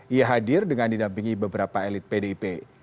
ia hadir dengan didampingi beberapa elit pdip